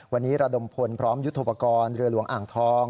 วันนี้ระดมพลพร้อมยุทธโปรกรณ์เรือหลวงอ่างทอง